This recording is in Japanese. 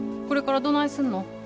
これからどないすんの？